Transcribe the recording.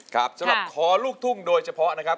สำหรับขอลูกทุ่งโดยเฉพาะนะครับ